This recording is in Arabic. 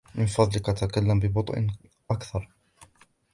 من فضلك تكلم ببطئٍ أكثر.